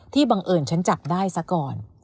บังเอิญฉันจับได้ซะก่อน